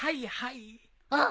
あっ！